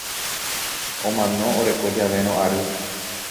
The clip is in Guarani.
Omano oreko javérõ ary.